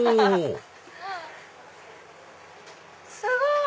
すごい！